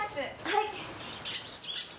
はい。